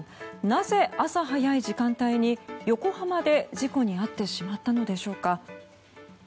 なぜ、朝早い時間帯に横浜で事故に遭ってしまったのでしょうか。